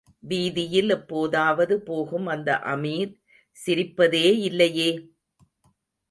வீதியில் எப்போதாவது போகும் அந்த அமீர் சிரிப்பதேயில்லையே?